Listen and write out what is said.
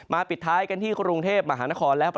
ในภาคฝั่งอันดามันนะครับ